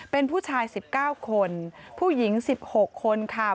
เป็นผู้ชาย๑๙คนผู้หญิง๑๖คนค่ะ